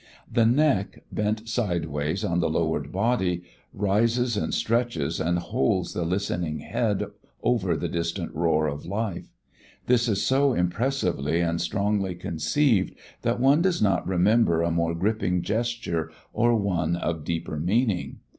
The neck, bent side wise on the lowered body, rises and stretches and holds the listening head over the distant roar of life; this is so impressively and strongly conceived that one does not remember a more gripping gesture or one of deeper meaning.